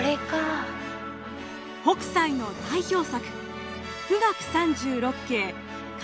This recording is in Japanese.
北斎の代表作